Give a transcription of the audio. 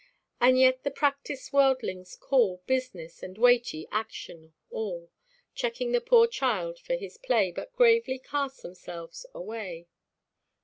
And yet the practice worldlings call Business and weighty action all, Checking the poor child for his play, But gravely cast themselves away.